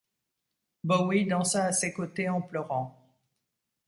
Bowie dansa à ses côtés en pleurant.